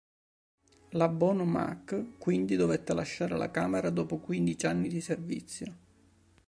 La Bono Mack quindi dovette lasciare la Camera dopo quindici anni di servizio.